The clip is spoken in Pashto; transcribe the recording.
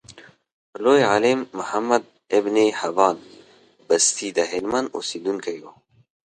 لوی عالم محمد ابن حبان بستي دهلمند اوسیدونکی و.